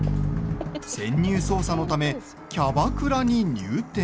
潜入捜査のためキャバクラに入店。